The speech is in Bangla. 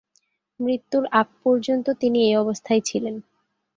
মৃত্যুর আগ পর্যন্ত তিনি এই অবস্থায় ছিলেন।